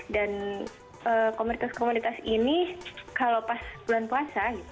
dan komunitas komunitas ini kalau pas bulan puasa